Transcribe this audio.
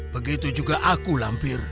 begitu juga aku lampir